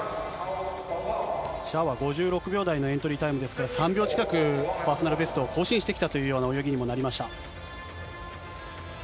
シャーは５６秒台のエントリータイムですから、３秒近く、パーソナルベストを更新してきたというような泳ぎにもなりました。